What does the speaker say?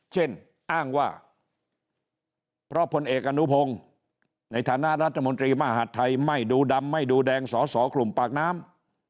เช่นอ้างว่าเพราะผลเอกอนุพงศ์ในฐานะรัฐมนตรีมหาดไทยไม่ดูดำไม่ดูแดงสอสอกลุ่มปากน้ำ